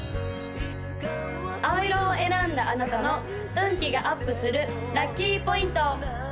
青色を選んだあなたの運気がアップするラッキーポイント！